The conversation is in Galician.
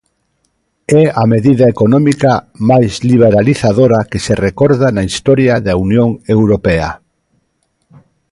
É a medida económica máis liberalizadora que se recorda na historia da Unión Europea.